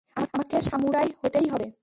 আমাকে সামুরাই হতেই হবে।